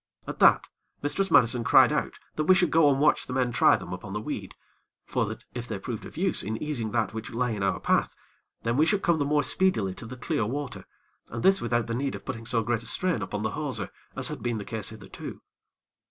At that, Mistress Madison cried out that we should go and watch the men try them upon the weed; for that if they proved of use in easing that which lay in our path, then should we come the more speedily to the clear water, and this without the need of putting so great a strain upon the hawser, as had been the case hitherto.